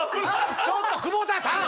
ちょっと久保田さん！